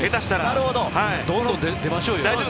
どんどん出ましょうよ。